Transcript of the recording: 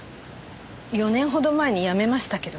４年ほど前に辞めましたけど。